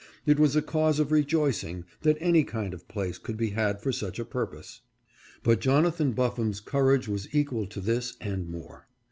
It was a cause of rejoicing that any kind of place could be had for such a purpose. But Jonathan Buffum's courage was equal to this and more.